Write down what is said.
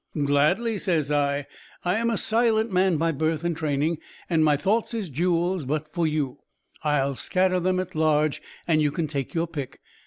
"'Gladly,' says I; 'I am a silent man by birth and training, and my thoughts is jewels, but for you, I'll scatter them at large, and you can take your pick.